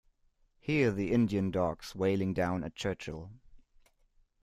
Hear the Indian dogs wailing down at Churchill.